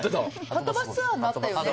はとバスツアーもあったよね